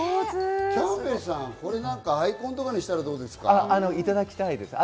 キャンベルさん、これアイコンとかにしたらどうですか？